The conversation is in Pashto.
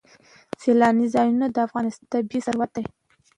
سیلانی ځایونه د افغانستان طبعي ثروت دی.